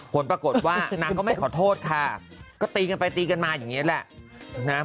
ผลปรากฏว่านางก็ไม่ขอโทษค่ะก็ตีกันไปตีกันมาอย่างนี้แหละ